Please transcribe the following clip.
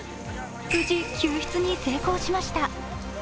無事救出に成功しました。